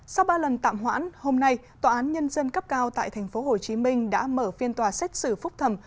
sau ba lần tạm hoãn hôm nay tòa án nhân dân cấp cao tại tp hcm đã mở phiên tòa xét xử phúc thẩm